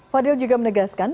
fadil juga menegaskan